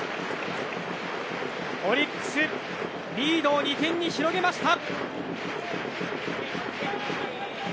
オリックス、リードを２点に広げました。